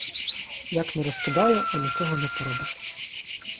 Як не розкидаю, а нічого не поробиш.